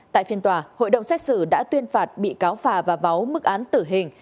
tại phiên tòa hội đồng xét xử đã tuyên phạt bị cáo phà và báu mức án tử hình